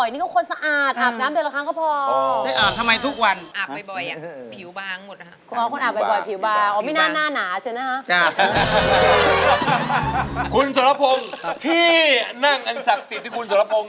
ทุกคนค่ะทุกคนค่ะสวัสดีค่ะคุณ